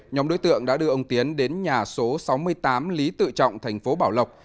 nhóm đối tượng đã đưa ông tiến đến nhà số sáu mươi tám lý tự trọng tp bảo lộc